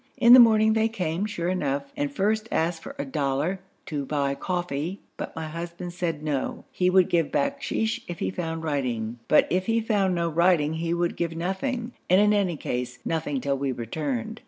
In the morning they came, sure enough, and first asked for a dollar 'to buy coffee,' but my husband said 'No; he would give bakshish if he found writing, but if he found no writing he would give nothing, and in any case, nothing till we returned.'